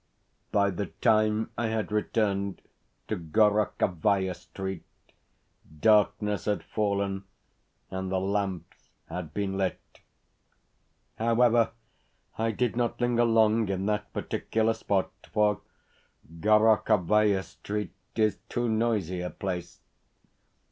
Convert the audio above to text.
By the time I had returned to Gorokhovaia Street darkness had fallen and the lamps had been lit. However, I did not linger long in that particular spot, for Gorokhovaia Street is too noisy a place.